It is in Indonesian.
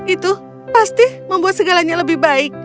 itu pasti membuat segalanya lebih baik